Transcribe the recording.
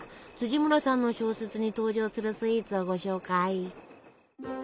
村さんの小説に登場するスイーツをご紹介！